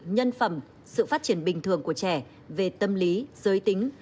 nhân phẩm sự phát triển bình thường của trẻ về tâm lý giới tính